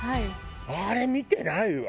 あれ見てないわ。